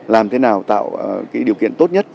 làm thế nào tạo điều kiện tốt nhất